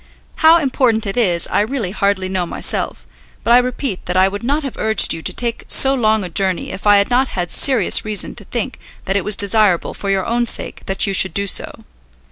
How important it is I really hardly know myself, but I repeat that I would not have urged you to take so long a journey if I had not had serious reason to think that it was desirable for your own sake that you should do so.